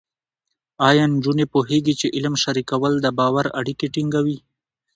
ایا نجونې پوهېږي چې علم شریکول د باور اړیکې ټینګوي؟